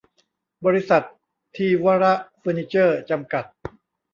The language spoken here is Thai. บริษัท ธีวรเฟอร์นิเจอร์ จำกัด